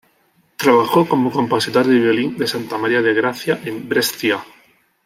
Trabajó como compositor de violín de Santa María de Gracia en Brescia.